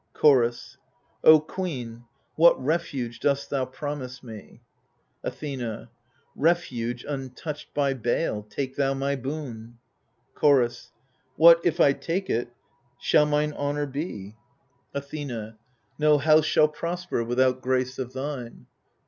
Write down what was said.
Chorus O queen, what refuge dost thou promise me ? Athena Refuge untouched by bale : take thou my boon. Chorus What, if I take it, shall mine honour be ? 176 THE FURIES Athena No house shall prosper without grace of thine.